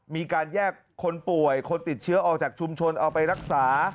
มีการแยกคนป่วยคนติดเชื้อออกจากชุมชนเอาไปรักษา